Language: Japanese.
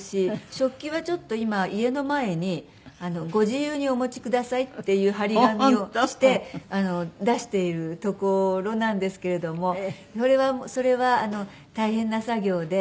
食器はちょっと今家の前にご自由にお持ちくださいっていう貼り紙をして出しているところなんですけれどもそれはそれは大変な作業で。